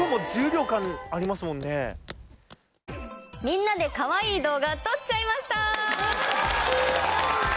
みんなでかわいい動画撮っちゃいました！